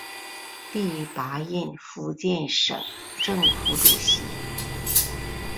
第八任福建省政府主席。